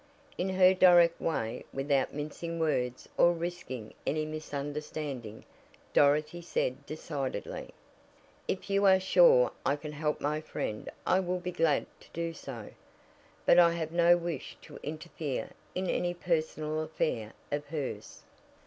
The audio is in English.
In her direct way, without mincing words or risking any misunderstanding, Dorothy said decidedly: "If you are sure I can help my friend I will be glad to do so, but I have no wish to interfere in any personal affair of hers."